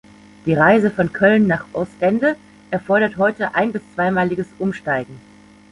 Die Reise von Köln nach Ostende erfordert heute ein- bis zweimaliges Umsteigen.